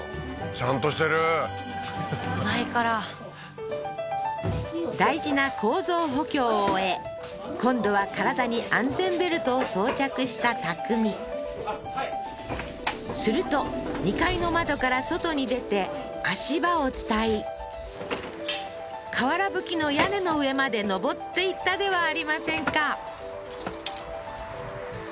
ちゃんとしてる土台から大事な構造補強を終え今度は体に安全ベルトを装着した匠すると２階の窓から外に出て足場を伝い瓦ぶきの屋根の上まで上っていったではありませんか